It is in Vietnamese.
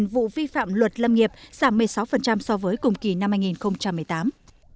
một mươi vụ vi phạm luật lâm nghiệp giảm một mươi sáu so với cùng kỳ năm hai nghìn một mươi tám